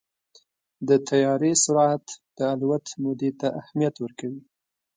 د طیارې سرعت د الوت مودې ته اهمیت ورکوي.